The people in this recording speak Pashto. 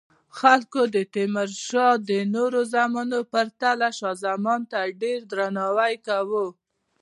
خلکو د تیمورشاه د نورو زامنو په پرتله شاه زمان ته ډیر درناوی کاوه.